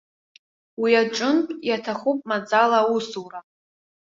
Уи аҿынтә иаҭахуп маӡала аусура.